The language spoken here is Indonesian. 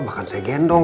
bahkan saya gendong